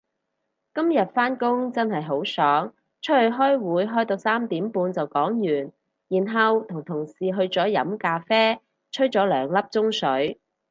今日返工真係好爽，出去開會開到三點半就講完，然後同同事去咗飲咖啡吹咗兩粒鐘水